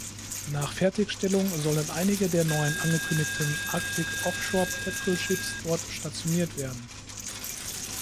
Nach Fertigstellung sollen einige der neuen angekündigten "Arctic Off-Shore Patrol Ships" dort stationiert werden.